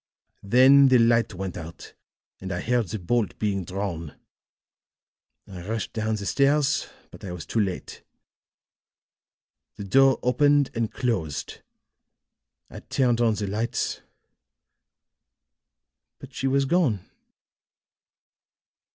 Then the light went out and I heard the bolt being drawn. I rushed down the stairs, but I was too late. The door opened and closed; I turned on the lights, but she was gone."